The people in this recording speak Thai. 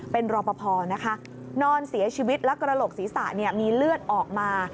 เป็นรอปภนะคะนอนเสียชีวิตและกระโหลกศีรษะมีเลือดออกมา